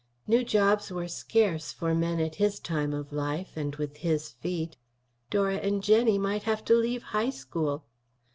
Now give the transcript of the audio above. New jobs were scarce for men at his time of life, and with his feet. Dora and Jennie might have to leave high school.